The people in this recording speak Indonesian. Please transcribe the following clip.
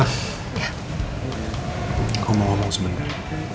aku mau ngomong sebentar